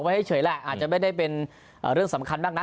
แค่บอกไว้เฉยแหละอาจจะไม่ได้เป็นเรื่องสำคัญมากนะ